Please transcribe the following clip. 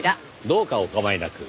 どうかお構いなく。